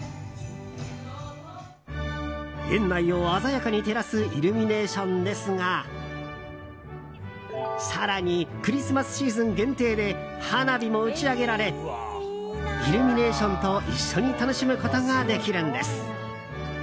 園内を鮮やかに照らすイルミネーションですが更にクリスマスシーズン限定で花火も打ち上げられイルミネーションと一緒に楽しむことができるんです。